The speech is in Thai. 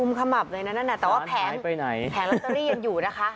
อุ้มขมับเลยนะแต่ว่าแผงแผงลัตเตอรี่ยังอยู่นะคะ